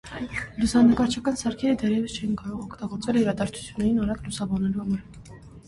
Լուսանկարչական սարքերը դեռևս չէին կարող օգտագործվել իրադարձություններն արագ լուսաբանելու համար։